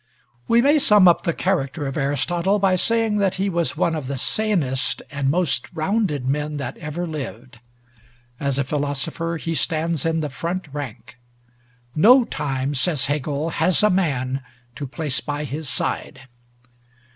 We may sum up the character of Aristotle by saying that he was one of the sanest and most rounded men that ever lived. As a philosopher, he stands in the front rank. "No time," says Hegel, "has a man to place by his side."